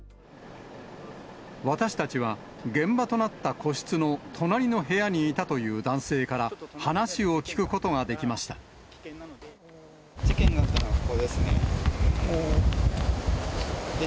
私たちは、現場となった個室の隣の部屋にいたという男性から、事件があったのはここですね。